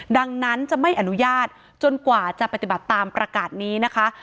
ดังนั้นจะไม่อนุญาตจนกว่าจะปฏิบัติตามประกาศนี้นะคะ